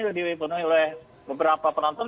sudah dipenuhi oleh beberapa penonton